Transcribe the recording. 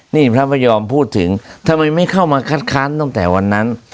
นี่พระไม่ยอมพูดถึงทำไมไม่เข้ามาคัดค้านตั้งแต่วันนั้น